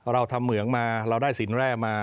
เราทำเหมืองมาเราได้สินแร่มา